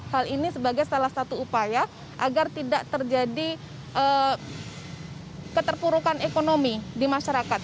hal ini sebagai salah satu upaya agar tidak terjadi keterpurukan ekonomi di masyarakat